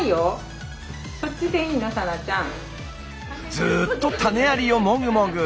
ずっと種ありをもぐもぐ。